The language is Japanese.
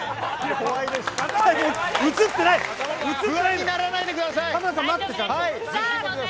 不安にならないでください。